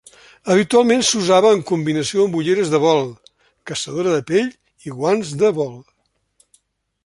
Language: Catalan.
Habitualment s'usava en combinació amb ulleres de vol, caçadora de pell i guants de vol.